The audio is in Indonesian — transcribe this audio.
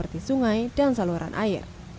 seperti sungai dan saluran air